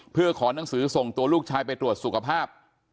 เพื่อขอหนังสือส่งตัวลูกชายไปตรวจสุขภาพ